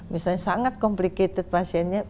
misalnya sangat komplikasi pasiennya